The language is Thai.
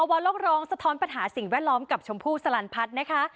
โลกร้องสะท้อนปัญหาสิ่งแวดล้อมกับชมพู่สลันพัฒน์นะคะ